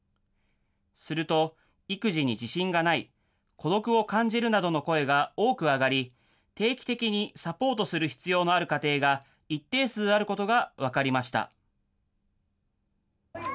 すると、育児に自信がない、孤独を感じるなどの声が多く上がり、定期的にサポートする必要のある家庭が一定数あることが分かりました。